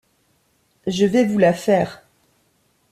Je vais vous la faire.